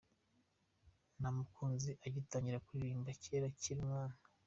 Namukunze agitangira kuririmba kera akiri umwana .